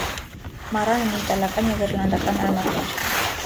Մառան ունի իտալական և իռլանդական արմատներ։